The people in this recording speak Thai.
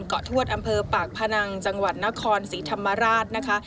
ทวดอำเภอปากพนังจังหวัดนครศรีธรรมราชนะคะ